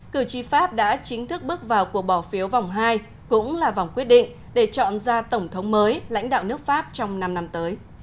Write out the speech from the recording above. cử tri pháp đã chính thức bước vào cuộc bỏ phiếu vòng hai cũng là vòng quyết định để chọn ra tổng thống mới lãnh đạo nước pháp trong năm năm tới